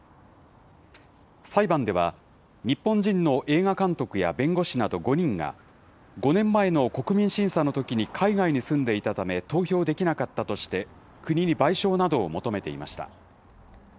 裁判では、日本人の映画監督や弁護士など５人が、５年前の国民審査のときに海外に住んでいたため投票できなかったとして、国に賠償などを求めていました。